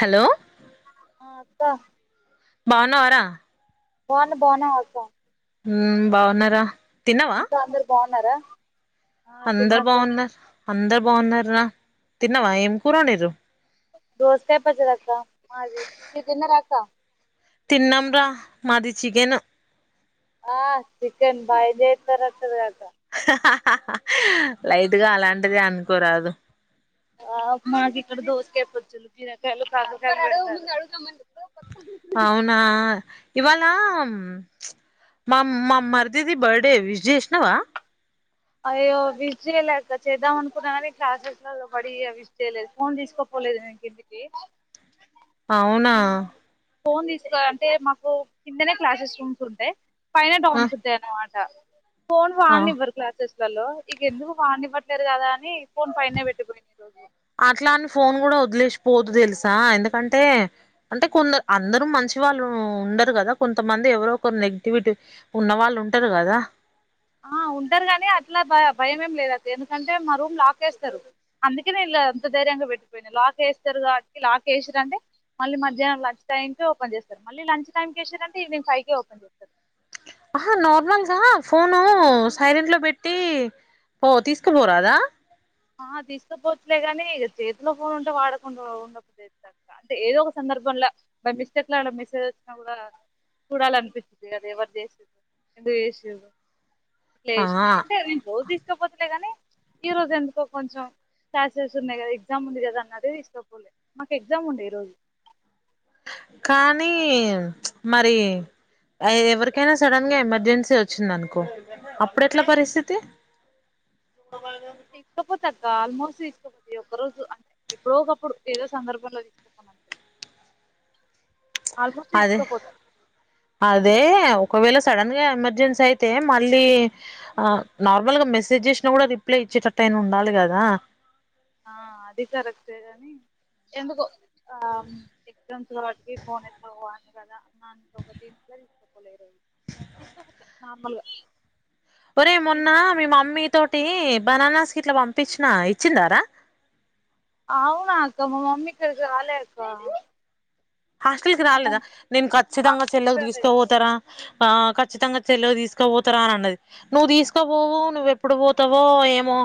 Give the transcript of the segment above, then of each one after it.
Hello ఆ అక్క బాగున్నా వారా బాన్ బాన్ వా అక్క ఉమ్ బాగున్నారా తిన్నావా ఇంట అందరు బా ఉనరా అందరు బాగున్నార్ అందరు బాగున్నారు రా తిన్నావా ఏం కూరొండీరు దోస్ కాయి పచ్చాడక్క మాది మీర్ తినరా అక్క తినామ్ రా మాది చికెను ఆ చికెన్ బాచేస్తారట్టుంది గా అక్క ఆహ్ ఆహ్ లైట్ గా అలాంటిదే అనుకోరాదు ఆ మాకు ఇక్కడ దోస్ కాయ్ పచ్చలు బీరకాయిలు కాకర్ కాయ్ లు బేడుతర్ అవునా ఇవాళ చ్ మా మా మర్దిది బర్డే విజ్ జేసీనవా అయ్యో విష్ చేయలేక చేద్దాం అనుకున్నా కానీ క్లాసెస్ లో పడి విష్ చేయలేదు ఫోన్ తీసుకోపోలేదు ఇంక్ ఇంటికి అవునా ఫోన్ తీస్ కో అంటే మాకు కిందనే క్లాసెస్ రూమ్స్ ఉంటాయి పైన ఆ డౌన్స్ అన్నమాట్ ఆ ఫోన్ ఆ వాన్ నివ్వర్ క్లాసెస్ లలో ఇక ఎందుకు వాన్ నివ్వట్లేరు కదా అని ఫోన్ పైనే పెట్టిపోయింది ఈ రోజు అట్లా అని ఫోన్ కూడా వదిలేస్ పోదు తెలుసా ఎందుకంటే అంటే కొందరు అందరూ మంచి వాళ్ళు ఉండరు కదా కొంతమంది ఎవరోొ ఒకరు నెగిటివిటీ ఉన్న వాళ్ళు ఉంటారు కదా ఆ ఉంటారు కానీ అట్లా భ భయంమేం లేదు అది ఎందుకంటే మా రూమ్ లాక్ ఏస్తారు అందుకేనే ఇలా అంత ధైర్యంగా పెట్టిపోయినా లాక్ ఏస్తారు కాబ ట్ లాక్ వేసిరంటే మళ్ళీ మధ్యాహ్నం లంచ్ టైంకి ఓపెన్ చేస్తారు మళ్ళీ లంచ్ టైంకి ఏశిరంటే ఈవినింగ్ ఫైవ్కి ఓపెన్ చేస్తారు ఆహా నార్మల్గా ఫోను సైలెంట్ లో పెట్టి పో తీసుకపోరాదా ఆ తీసుకపోవచ్ లేగానీ ఇగ చేతిలో ఫోన్ ఉంటే వాడకుండా ఉండబుద్ది అయ్యిందాక్క అంటే ఏదో ఒక సందర్భంంలో బై మిస్టేక్ లా మెసేజ్ వచ్చినా కూడా చూడాలనిపిస్తుంది అదా ఎవరు చేసిర్ ఎందుకు చేసీర్ ఆ లెష్ న అంటే నేను పో తీసాకపోతలే గాని ఈ రోజు ఎందుక్ టో కొంచెం క్లాసెస్ ఉన్నాయి కదా ఎగ్జామ్ ఉంది కదా అన్నట్ తీసకోపోలే మాకు ఎగ్జామ్ ఉండే ఈ రోజు కానీ చ్ మరి ఎ ఎవరికైనా సడన్ గా ఎమర్జెన్సీ వచ్చిందనుకో అప్పుడు ఎట్లా పరిస్థితి తీస్కాపోత అక్ ఇంకా ఆల్మోస్ట్ తీసుకోపోద్ ఈ ఒక్క రోజు అంటే ఎప్పుడో ఒకప్పుడు ఏదో సందర్భంలో తీసుకపోను అంట్ అదే అదే ఒకవేళ సడన్ గా ఎమర్జెన్సీ అయితే మళ్ళీ ఆ నార్మల్గా మెసేజ్ చేసినా కూడా రిప్లై ఇచ్చేటట్టు అయినా ఉండాలి కదా ఆ అది కరెక్ట్ కాని ఎందుకో ఆ ఎగ్జామ్స్ కాబట్టికి ఫోన్ [unintelligible] కదా [inaudible] నార్మల్ గా ఒరే మొన్న మీ మమ్మీ తోటి బనానాస్ గిట్లా పంపించిన ఇచ్చిందారా అవునా అక్క మా మమ్మి ఇక్కడికి రాలే అక్క హాస్టల్ కి రాలేదా నేను ఖచ్చితంగా చెళ్ళే కు తీస్కపోతారా ఆ ఖచ్చితంగా చెల్లెకు తీసుకోపోతారా అని అన్నది నువ్వు తీస్కపోవు నువ్వు ఎప్పుడు పోతావో ఏమో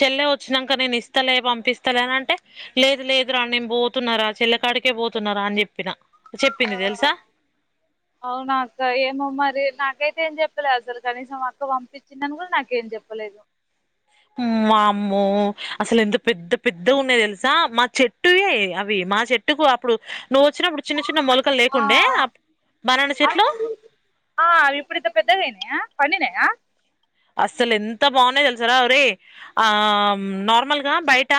చెల్లె వచ్చినంక నేను ఇస్తలే పంపిస్తాలే అని అంటే లేదు లేదురా నేను పోతున్నారా చెల్లె కాడికే పోతున్నారా అని చెప్ ప్పిన ఆ అవునా అక్క ఏమో మరి నా కైతే ఏం చెప్పలే అసలు కనీసం అక్క పంపించిందని కూడా నాకేం చెప్పలేదు మ్మ్ మామ్మో అసలు ఎంత పెద్ద పెద్ ద్దగున్నాయి తెలుసా మా చెట్టువే అవి మా చెట్టుకు అప్పుడు నువ్వు వచ్చినప్పుడు చిన్న చిన్న మొలకలు ఆ లేకుండే అప్ బనానా చెట్లు ఆ, అవి ఇప్పుడు ఇంత పెద్దగయినయా పండినయా అస్సలు ఎంత బాగునేయో తెలుసారా ఒరే ఆ నార్మల్గా బయట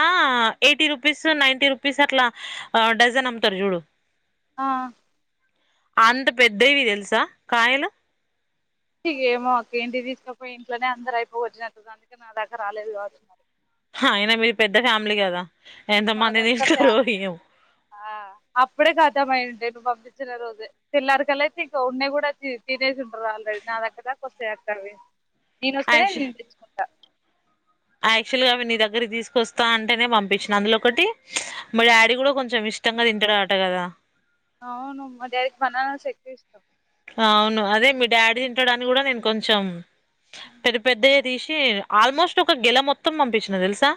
eighty rupees ninety rupees అట్లా డజన్ అమ్ముతారు చూడు ఆ అంత పెద్దవి తెలుసా కాయలు ఇగ ఏమో అక్క ఇంటికి తీస్కపోయి ఇంట్లనే అందరైపోగొట్టినట్రండు అందుకే నా దాకా రాలేదు కావచ్చు మరి అయినా మీది పెద్ద ఫ్యామిలీ కదా ఎంత మా మంది దంత తింటారో ఫ్యామ్ ఏమో అ అప్పుడే కాతమై ఉన్ టై నువ్ పంపిచ్చిన రోజె తెల్లారికల్లే ఇంక ఉన్నే కూడా తి తినేస్ ర్రు ఆల్రెడి నా దగ్గర కొ సే అక్కవి నేను ఒస్తేనే నేను తెచ్చుకుంటా యాక్చువల్ గా అవి నీ దగ్గరికి తీసుకొస్తా అంటేనే పంపించినా అందులో ఒకటి మీ డాడీ కూడా కొంచెం ఇష్టంగా తింటాడాట కదా అవును మా డాడీకి బనానాస్ ఎక్కువీష్టం అవును అదే మీ డాడీ తింటడాని కూడా నేను కొంచెం పెరు పెద్ద చె తీసి ఆల్మోస్ట్ ఒక గెల మొత్తం పంపించిన తెలుసా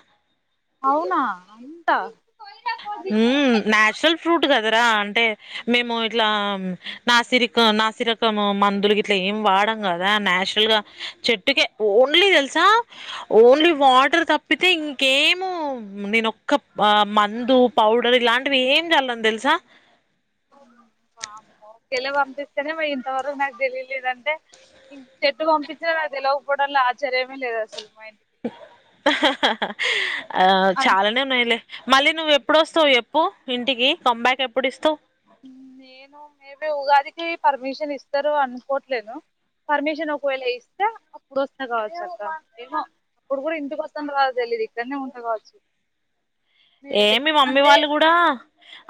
అవునా అంటా హు నాచురల్ ఫ్రూట్ ట్ కదరా అంటే మేము ఇట్లా నాసిరిక నాసిరకం మందులు గిట్లా ఏం వాడం కదా నాచురల్ గా చెట్టుకే ఓన్లీ తెలుసా ఓన్లీ వాటర్ తప్పితే ఇంకేము నేనొక్క ప మ మందు పౌడర్ ఇలాంటివి ఏం చల్లం తెలుసా గేల పంపిస్తేనే మ ఇంతవరకు నాకు తెలియలేదంటే ఇం చెట్టు పంపిచ్చిన నాకు తెలువకపోవడంలో ఆశ్చర్యమే లేదు అసలు మా ఇంటికి ఆ అ చాలానే ఉన్నాయిలే మళ్ళీ నువ్వు ఎప్పుడోస్తావు చెప్పు ఇంటికి కంబ్యాక్ ఎప్పుడు ఇస్తావు నిను మేబి ఉగాదికి ఇస్తారు అనుకోట్లేను పర్మిషన్ ఒకవేళ ఇస్తే అప్పుడు వస్తే కావచ్చు అక్క ఏమో అప్పుడు కూడా ఇంటికి వస్తాం రాదు తెలీదు ఇక్కడనే ఉంట కావచ్చు ఏ మేబీ మి మమ్మీ అంటే వాళ్ళు కూడా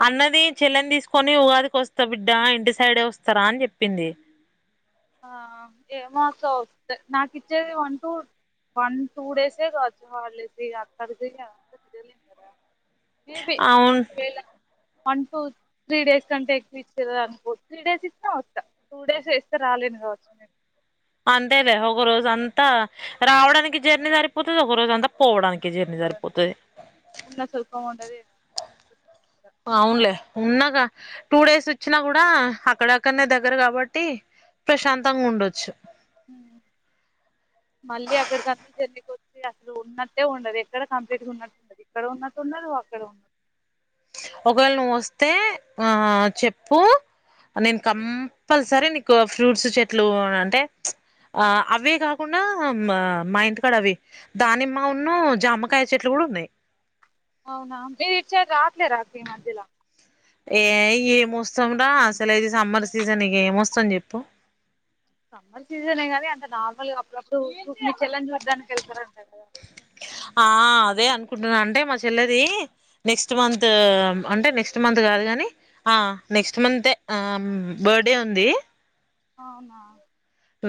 అన్నది చెల్లెని తీసుకొని ఉగాదికిస్తా బిడ్డ ఇంటి సైడే వస్తారా అని చెప్పింది ఆ ఏమే అక్క వస్త నాకు ఇచ్చేది వన్ టూ వన్ టూ డేసే కావచ్చు హాలీడేస్ అక్కడికి మేబి అవును ఒకవేళ వన్ టు త్రీ డేస్ కంటే ఎక్కుచ్చ అనుకో త్రీ డేస్ ఇస్తే వస్తా టూ డేస్ వస్త రాలేను కావచ్చు నేను అంతేలే ఒక రోజు అంతా రావడానికి జర్నీ సరిపోతుంది ఒక రోజు అంతా పోవడానికి జర్నీ సరిపోతది ఉన్న సల్పం ఉండది వునులే ఉన్నాగా టూ డేస్ వచ్చినా కూడా అక్కడ అక్కడనే దగ్గర కాబట్టి ప్రశాంతంగా ఉండొచ్చు మళ్ళీ అక్కడికంతా జర్నీక వచ్చి అసలు ఉన్నట్టే ఉండదు ఎక్కడ కంప్లీట్ గా ఉన్నట్టు ఉండదు ఇక్కడ ఉన్నట్టుండదు అక్కడ ఉండదు ఒకవేళ నువ్వు వస్తే ఆ చెప్పు నేను కంపల్సరీ నీకు ఫ్రూట్స్ చెట్లు అంటే ఆ అవే కాకుండా మా ఇంటికాడ అవి దానిమ్మా ఉన్న జామకాయ చెట్లు కూడా ఉన్నాయి అవునా మీరూ ఇటు సైడ్ రాట్లేదా రా అక్క ఈ మధ్యలో ఏ ఏమొస్తాంరా అసలే ఇది సమ్మర్ సీజన్ ఏమొస్తాం చెప్పు సమ్మర్ సీజనే కదా అంత నార్మల్గా అప్పుడప్పుడు మీ చెల్లని చూడ్డానికి వెళ్తారుంటరూ కదా ఆ అదే అనుకుంటున్నా అంటే మా చెల్లది నెక్స్ట్ మంత్ అంటే నెక్స్ట్ మంత్ కాదు కాని ఆ నెక్స్ట్ మంత్ ఎ బర్త్డే ఉంది అవునా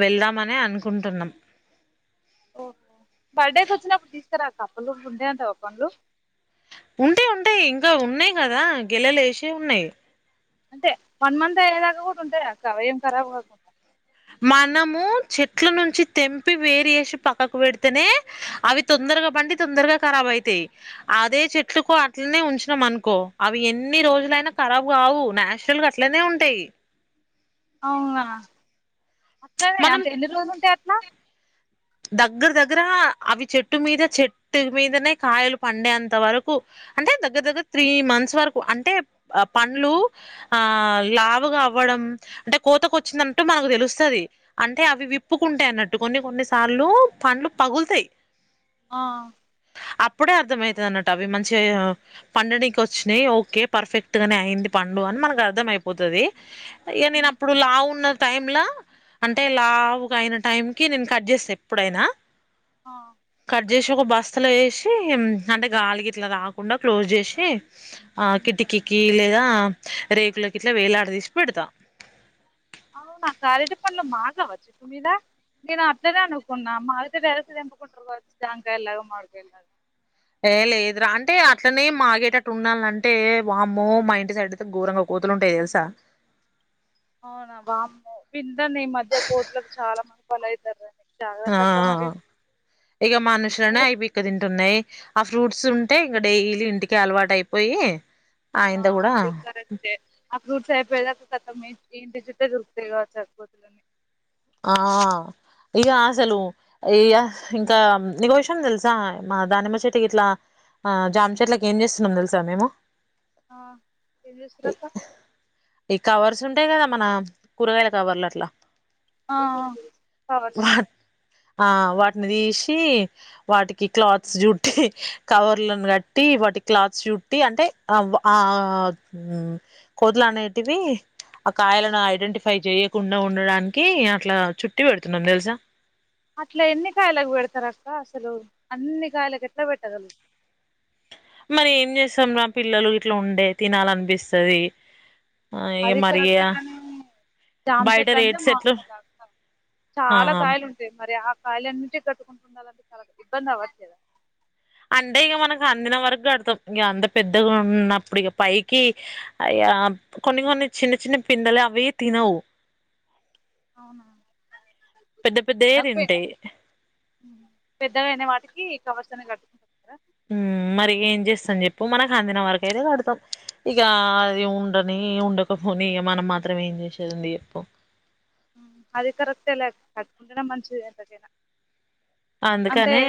వెళ్దామనే అనుకుంటున్నాం ఓ బర్త్డేకి వచ్చినప్పుడు తీసుకురాా కప్పులు ఉండే అంత ఓపన్లు ఉంటయి ఉంటయి ఇంకా ఉన్నాయి్ కదా గెలెలేసి ఉన్నాయి అంటే వన్ మంత్ అయ్యేదాకా కూడా ఉంటాయా అక్క ఏం ఖరాబ్ కాకుండా మనము చెట్ల నుంచి తెంపి వేరి చేసి పక్కకు పెడితేనే అవి తొందరగా బండి తొందరగా ఖరాబ అయితాయి అదే చెట్లుకో అట్లనే ఉంచినం అనుకో అవి ఎన్ని రోజులైనా ఖరాబు కావు నాచురల్ గా అట్లనే ఉంటాయి అవునా అట్లానే అంత మనం ఎన్ని రోజులుంటయి అట్లా దగ్గర దగ్గర అవి చెట్టు మీద చెట్టు మీదనే కాయలు పండేంత వరకు అంటే దగ్గర దగ్గర త్రీ మంత్స్ వరకు అంటే పండ్లు ఆ లావుగా అవ్వడం అంటే కోతకు వచ్చిందట్టు మనకు తెలుస్తుంది అంటే అవి విప్పుకుంటేయి అన్నట్టు కొన్ని కొన్ని తలు పండ్లు పగులుతాయి ఆ అప్పుడే అర్థ అయితుది అన్నట్ అవి మంచిగా పండుకి వచ్చినాయి ఓకే పర్ఫెక్ట్ గానే అయింది పండు అని మనకు అర్థ అయిపోతుది ఇగ నేను ఉమ్ అప్పుడు లా ఉన్న టైంల అంటే లావు అయిన టైం కి నేను కజస్ట్ ఎప్పుడైనా ఆ కట్ చేసి ఒక బస్ అసలు వేసి అంటే గాలికి ఇట్లా రాకుండా క్లోజ్ చేసి ఆ కిటికీకి లేదా రేకులకి ఇట్లా వేలాడ తీసి పెడతా అవు నా కాలేటి పండ్లు మా కావచ్చు ఇప్పు మీద నేను అట్లనే అనుకున్నా మావితో వరసి ఎంపుకుంటారు కావచ్చు జామ్కయలలాగా మాడికాయలాగా ఏ లేదురా అంటే అట్లనే మాగేటట్టు ఉండాల అంటే వామ్మో మా ఇంటి సైడ్ అయితే ఘోరంగా కోతులు ఉంటాయి తెలుసా అవునా వామ్మో విందం ఈ మధ్య కోతులకు చాలా మంది పొల అవుతారుండి ఆ ఇగా మనుషులనే ఐ పిక్క తింటున్నాయి ఆ ఫ్రూట్స్ ఉంటే ఇంకా డైలీ ఇంటికి అలవాటు అయిపోయి ఆ ఆయంత కూడా అది కరెక్టే ఆ ఫ్రూట్స్ అయిపోయినా కతమే ఈ ఇంటి చుట్టే దొరుకుతాయి కాబట్టి సరిపోతుంది. ఆ ఇక అసలు ఇ య ఇంకా నీకో విషయం తెలుసా మా దానిమ చెట్కి ఇట్లా ఆ జామ చెట్లకి ఏం చేస్తున్నాం తెలుసా మేము. ఆ ఎం చేస్తుర్రు అక్క చుంటాయి కదా మన కూరగాయల కవర్లు అట్లా ఆ కవర్స్ వా ఆ వాటిని తీసి వాటికి క్లాత్స్ చుట్టి కవర్లను కట్టి వాటికి క్లాత్స్ చుట్టి అంటే ఆ వ ఆ ఉ కోదలు అనేటివి ఆ కాయలను ఐడెంటిఫై చేయకుండా ఉండడానికి కి అట్లా చుట్టి పెడుతున్నాం తెలుసా అట్లా ఎన్ని కాయలకు పెడతారు అక్క అసలు అన్ని కాయలకు ఎట్లా పెట్టగల మరి ఏం చేస్తాం నా పిల్లలు ఇట్లా ఉండే తినాలనిపిస్తది. ఆ ఇగ అది మరి కరెక్టే కాని జామ బయట చెట్టు అంటే రేట్స్ ఎట్లు మాకు దక్కవ్ ఆ చాలా కాయలు ఉంటాయి మరి ఆ కాయళ నుంచి కట్టుకుంటుండాలంటే చాలా ఇబ్బంది అవ్వచ్చు లేదా. అంటే ఇక మనకు అందిన వరకు కడతాం. ఇక అంత పెద్దగా ఉన్నప్పుడు ఇక పైకి అయ్య అ కొన్ని కొన్ని చిన్న చిన్న పిందలు అవి తినవు. అవునా పెద్ద పెద్దయే ఇందాక పోయిన తింటాయి పెద్దవైన వాటికి సంవత్సరం [unintelligible] దా ఊ మరి ఏం చేస్తాం చెప్పు మనకు అందిన వరక అయితే కడతాం. ఇక అది ఉండని ఉండకపోని ఇక మనం మాత్రం ఏం చేసేదుంది చెప్పు. ఊ అది కరెక్టేలే కట్టుకుండటం మంచిది ఎంతకెనా అందుకనే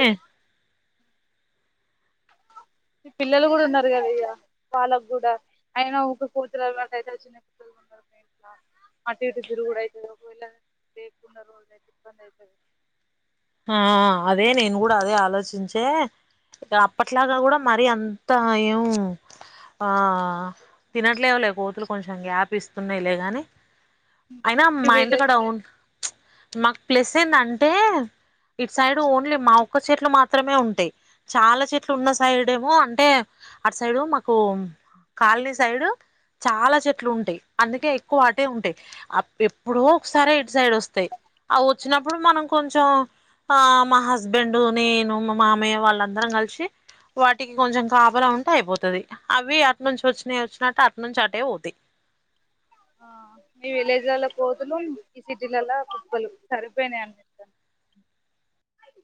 ఈ పిల్లలు కూడా ఉన్నారు కదా ఇగ వాళ్ళకు కూడా అయిన ఒక కూతురు అలవాటు అయితుది. చిన్న పిల్లలు ఉన్నారు ఇట్లా అటు ఇటు తిరుగుడు అయితుంది ఒకవేళ లేేకున్న అయితే ఇబ్బంది అవుతుంది. ఆ ఆ ఆ అదే నేను కూడా అదే ఆలోచించే అప్పట్లాగా కూడా మరి అంత ఏం ఉమ్ ఆ తినట్లేవలే కోతులు కొంచెం గ్యాప్ ఇస్తున్నాయిలే గాని అయినా అమ్ మీ మా విలేజ్ ఇంటికాడ వున్ చ్ మాకు ప్లేస్ ఏందంటే ఇటు సైడు ఓన్లీ మా ఒక్క చెట్లు మాత్రమే ఉంటాయి. చాలా చెట్లు ఉన్న సైడేమో అంటే అటు సైడు మాకు కాలనీ సైడు చాలా చెట్లు ఉంటాయి. అందుకే ఎక్కువ అటే ఉంటాయి ఎప్పుడో ఒకసారె ఇటు సైడ్ వస్తాయి. ఆ వచ్చినప్పుడు మనం కొంచెం ఆ మా హస్బెండు, నేను, మా మామయ్య వాళ్ళందరం కలిసి వాటికి కొంచెం కాపుల ఉంటే అయిపోతది. అవి అటు నుంచి వచ్చినయి వచ్చినట్టు అటు నుంచి అటే పోతాయ్. ఆ మీ విలేజ్లల్ల పోతులు ఈ సిటీలలా పక్కలు సరిపోయినాయి అనిపిస్తాంది.